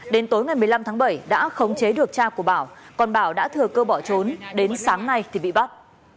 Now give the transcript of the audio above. đến tối ngày một mươi năm tháng bảy đã khống chế được cha của bảo còn bảo đã thừa cơ bỏ trốn đến sáng nay thì bị bắt